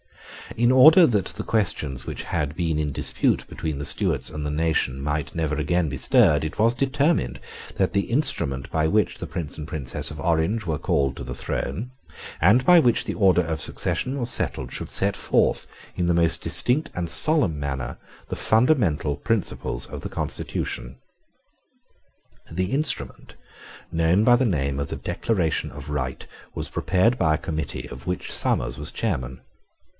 In order that the questions which had been in dispute between the Stuarts and the nation might never again be stirred, it was determined that the instrument by which the Prince and Princess of Orange were called to the throne, and by which the order of succession was settled, should set forth, in the most distinct and solemn manner, the fundamental principles of the constitution. This instrument, known by the name of the Declaration of Right, was prepared by a committee, of which Somers was chairman.